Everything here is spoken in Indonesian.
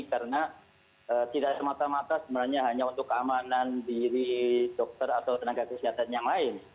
karena tidak semata mata sebenarnya hanya untuk keamanan diri dokter atau tenaga kesehatan yang lain